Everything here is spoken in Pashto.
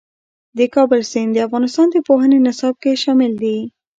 د کابل سیند د افغانستان د پوهنې نصاب کې شامل دي.